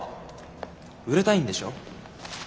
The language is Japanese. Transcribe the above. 売れたいんでしょ？